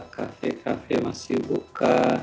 kafe kafe masih buka